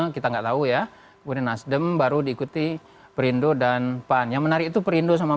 kita enggak tahu ya kemudian nasdem baru diikuti perindo dan pan yang menarik itu perindo sama